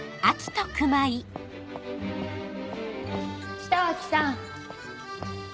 北脇さん。